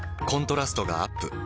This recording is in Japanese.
コントラストがアップ。